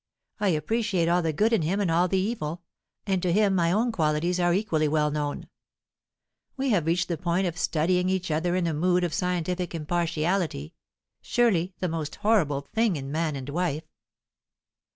I appreciate all the good in him and all the evil; and to him my own qualities are equally well known. We have reached the point of studying each other in a mood of scientific impartiality surely the most horrible thing in man and wife."